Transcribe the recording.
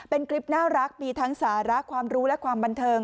เป็นคลิปน่ารักมีทั้งสาระความรู้และความบันเทิง